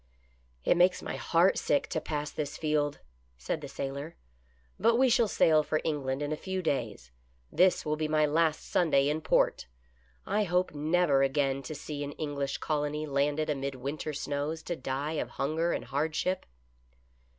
" It makes my heart turn sick to pass this field," said the sailor. " But we shall sail for England in a few days ; this will be my last Sunday in port. I hope never again to see an English colony landed amid winter snows to die of hunger and hardship."